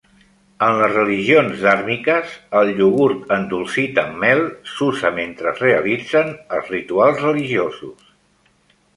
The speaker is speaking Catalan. En les religions Dhármicas, el iogurt endolcit amb mel s'usa mentre es realitzen els rituals religiosos